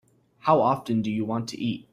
How often do you want to eat?